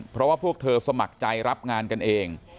เพราะว่าพวกเธอสมัครใจรับงานกันเอง